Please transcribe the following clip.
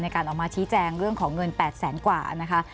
การออกมาชี้แจงเรื่องของเงิน๘แสนกว่านะคะ